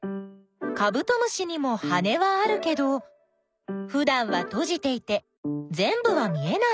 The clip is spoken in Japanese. カブトムシにも羽はあるけどふだんはとじていてぜんぶは見えないね。